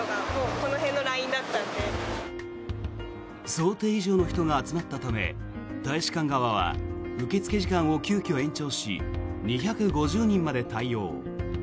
想定以上の人が集まったため大使館側は受付時間を急きょ延長し２５０人まで対応。